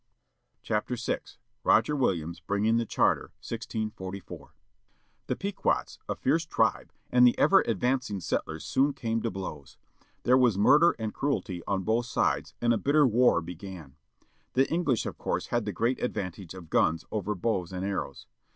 THE EMIGRATION 10 CONNECTICUT ROGER WILLIAMS BRINGING THE CHARTER. 1644 HE Pequots, a fierce tribe, and the ever advancing settlers soon came to blows. There was murder and cruelty on both sides, and a bitter war began. The English of course had the great advantage of guns over bows and arrows.